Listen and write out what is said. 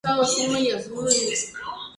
Es un endemismo de las Islas Galápagos.